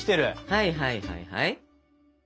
はいはいはいはい。